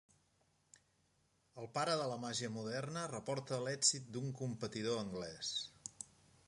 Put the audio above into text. El pare de la màgia moderna reporta l'èxit d'un competidor anglès.